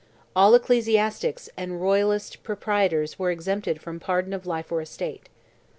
All ecclesiastics and royalist proprietors were exempted from pardon of life or estate.